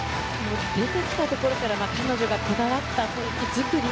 出てきたところから彼女がこだわった雰囲気作り。